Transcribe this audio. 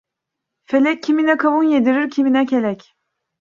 Felek, kimine kavun yedirir kimine kelek.